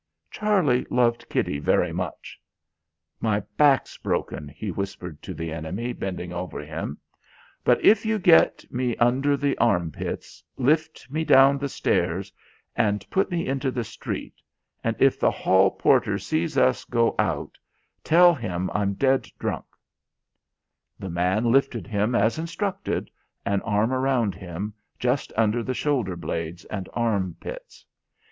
Charlie loved Kitty very much. "My back's broken," he whispered to the enemy bending over him. "But if you get me under the armpits, lift me down the stairs, and put me into the street, and if the hall porter sees us go out tell him I'm dead drunk " The man lifted him as instructed, an arm round him, just under the shoulder blades and armpits.